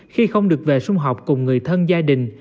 khi không được về sung học cùng người thân gia đình